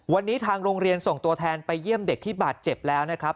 วันนี้ทางโรงเรียนส่งตัวแทนไปเยี่ยมเด็กที่บาดเจ็บแล้วนะครับ